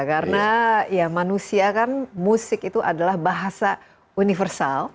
karena ya manusia kan musik itu adalah bahasa universal